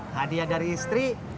hadiah dari istri